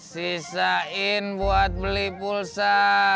sisain buat beli pulsa